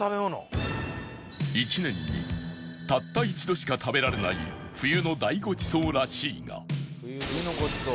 １年にたった一度しか食べられない冬の大ごちそうらしいが